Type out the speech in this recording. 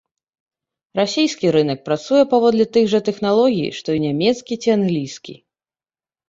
Расійскі рынак працуе паводле тых жа тэхналогій, што і нямецкі ці англійскі.